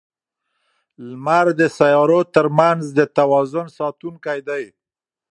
لمر د سیارو ترمنځ د توازن ساتونکی دی.